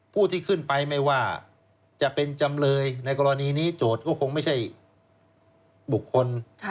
ผู้ที่ขึ้นไปไม่ว่าจะเป็นจำเลยในกรณีนี้โจทย์ก็คงไม่ใช่บุคคล